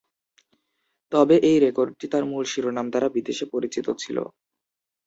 তবে, এই রেকর্ডটি তার মূল শিরোনাম দ্বারা বিদেশে পরিচিত ছিল।